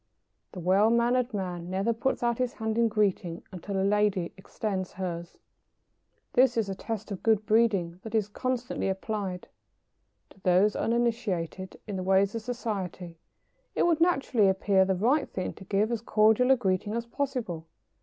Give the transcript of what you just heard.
The well mannered man never puts out his hand in greeting until a lady extends hers. [Sidenote: Offering the hand.] This is a test of good breeding that is constantly applied. To those uninitiated in the ways of society, it would naturally appear the right thing to give as cordial a greeting as possible.